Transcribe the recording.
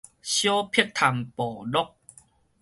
小碧潭部落